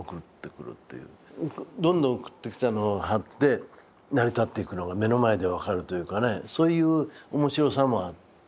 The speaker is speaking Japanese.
どんどん送ってきたのを貼って成り立っていくのが目の前で分かるというかねそういう面白さもあって。